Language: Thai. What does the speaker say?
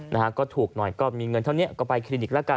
นะฮะก็ถูกหน่อยก็มีเงินเท่านี้ก็ไปคลินิกแล้วกัน